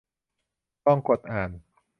ลองกดอ่าน